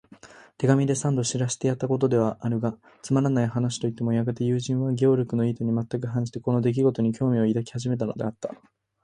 手紙で三度知らせてやったことであるが、つまらない話といってもやがて友人は、ゲオルクの意図にはまったく反して、この出来ごとに興味を抱き始めたのだった。